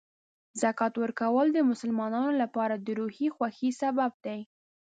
زکات ورکول د مسلمانانو لپاره د روحاني خوښۍ سبب دی.